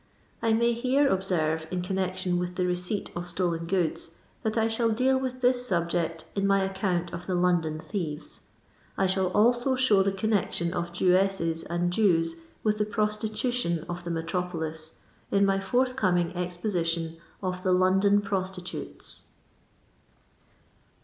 I may here 'obser^'e in connection with the re ceipt of' stolen goods, that I shall deal with this subject in my account of the Lovnoar TniETSS. I shall also show the connection of Jewesses and Jews with the ]>rostitutioA of tke metropolis, in my forthcoming exposition of the Loisoa Paos TITCTES.